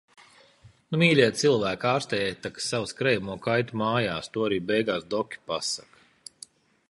Nu mīļie cilvēki, ārstējiet tak savu skrejamo kaiti mājas, to ar beigās doki pasaka.